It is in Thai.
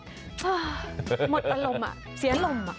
โอ้โฮหมดอารมณ์อ่ะเสียลม